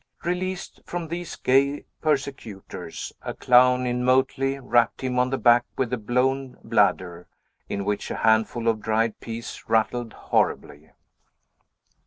Released from these gay persecutors, a clown in motley rapped him on the back with a blown bladder, in which a handful of dried peas rattled horribly.